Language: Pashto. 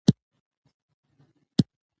په خبرو کې منطق ولرو.